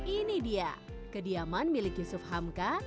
ini dia kediaman milik yusuf hamka